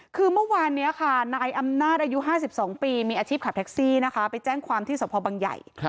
คือเมื่อวานนี้ค่ะนายอำนาจอายุ๕๒ปีมีอาชีพขับแท็กซี่นะคะไปแจ้งความที่สพบังใหญ่